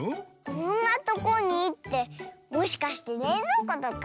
こんなとこにってもしかしてれいぞうことか？